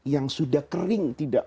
yang sudah kering tidak